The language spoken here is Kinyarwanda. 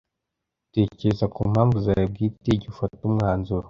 Tekereza ku mpamvu zawe bwite igihe ufata umwanzuro